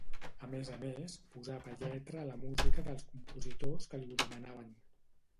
A més a més, posava lletra a la música dels compositors que li ho demanaven.